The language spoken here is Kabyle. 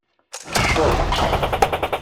Tecceḍ.